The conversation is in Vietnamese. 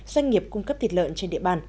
doanh nghiệp cung cấp thịt lợn trên địa bàn